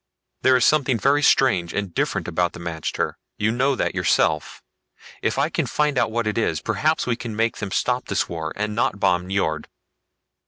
There is something very strange and different about the magter, you know that yourself. If I can find out what it is, perhaps we can make them stop this war, and not bomb Nyjord."